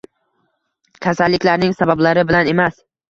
kasalliklarning sabablari bilan emas